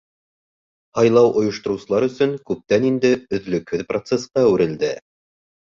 Һайлау ойоштороусылар өсөн күптән инде өҙлөкһөҙ процесҡа әүерелде.